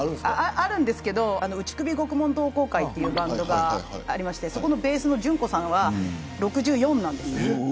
あるんですけど打首獄門同好会というバンドがあってそこのベースのｊｕｎｋｏさんは６４なんです。